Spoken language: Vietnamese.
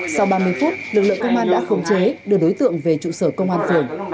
sau ba mươi phút lực lượng công an đã khống chế đưa đối tượng về trụ sở công an phường